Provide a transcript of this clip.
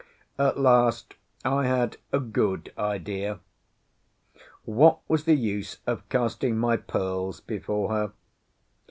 At last I had a good idea. What was the use of casting my pearls before her?